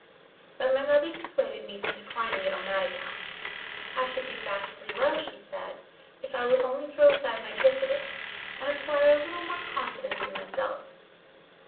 But my mother dissuaded me from declining it on that account: I should do vastly well, she said, if I would only throw aside my diffidence, and acquire a little more confidence in myself.